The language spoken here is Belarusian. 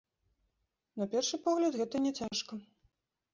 На першы погляд, гэта няцяжка.